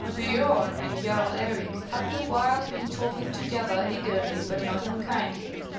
Biorn and Jarl Eric had the while been talking together eagerly, but not unkindly.